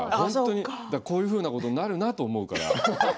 本当に、こういうふうなことになるなと思うから。